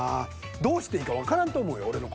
どうしていいかわからんと思うよ俺の事。